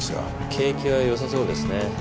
景気は良さそうですね。